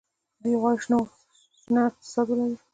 دوی غواړي شنه اقتصاد ولري.